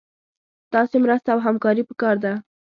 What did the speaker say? ستاسي مرسته او همکاري پکار ده